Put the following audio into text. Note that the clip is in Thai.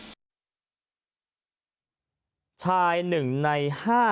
สุดท้ายตัดสินใจเดินทางไปร้องทุกข์การถูกกระทำชำระวจริงและตอนนี้ก็มีภาวะซึมเศร้าด้วยนะครับ